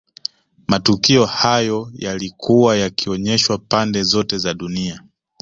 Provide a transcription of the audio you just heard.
Matukio hayo yalikuwa yakionyeshwa pande zote za dunia